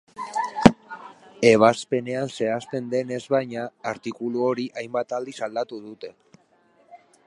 Ebazpenean zehazten denez baina, artikulu hori hainbat aldiz aldatu dute.